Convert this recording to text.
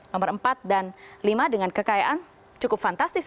nomor empat dan lima dengan kekayaan cukup fantastis